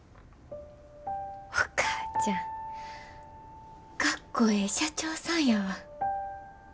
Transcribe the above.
お母ちゃんかっこええ社長さんやわ。